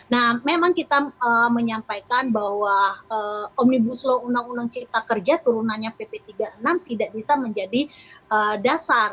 nah memang kita menyampaikan bahwa omnibus law undang undang cipta kerja turunannya pp tiga puluh enam tidak bisa menjadi dasar